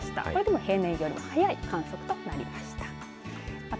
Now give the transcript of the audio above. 平年よりも早い観測となりました。